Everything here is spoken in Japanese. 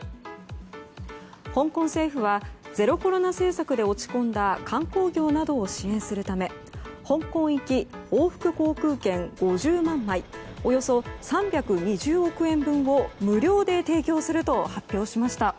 香港政府はゼロコロナ政策で落ち込んだ観光業などを支援するため香港行き往復航空券５０万枚およそ３２０億円分を無料で提供すると発表しました。